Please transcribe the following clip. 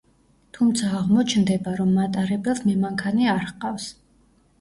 თუმცა აღმოჩნდება, რომ მატარებელს მემანქანე არ ჰყავს.